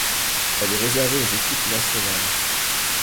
Elle est réservée aux équipes nationales.